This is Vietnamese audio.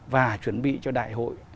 và chuẩn bị cho đại hội